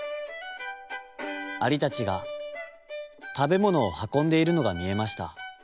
アリたちがたべものをはこんでいるのがみえました。